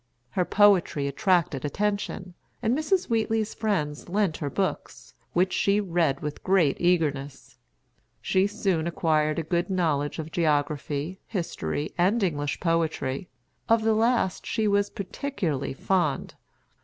Her poetry attracted attention, and Mrs. Wheatley's friends lent her books, which she read with great eagerness. She soon acquired a good knowledge of geography, history, and English poetry; of the last she was particularly fond.